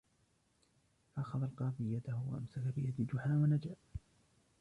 فأخذ القاضي يده وأمسك بيد جحا ونجا